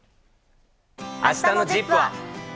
あしたのＺＩＰ！は。